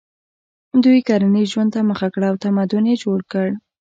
دوی کرنیز ژوند ته مخه کړه او تمدن یې جوړ کړ.